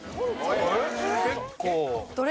結構。